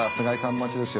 待ちですよ